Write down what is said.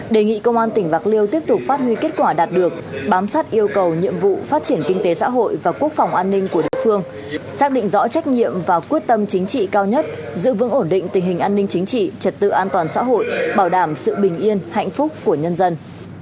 đề nghị công an tỉnh bạc liêu tiếp tục phát huy kết quả đạt được bám sát yêu cầu nhiệm vụ phát triển kinh tế xã hội và quốc phòng an ninh của địa phương xác định rõ trách nhiệm và quyết tâm chính trị cao nhất giữ vững ổn định tình hình an ninh chính trị trật tự an toàn xã hội bảo đảm sự bình yên hạnh phúc của nhân dân